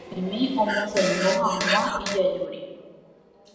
kurundu'imi omosãingo hag̃ua ijajúri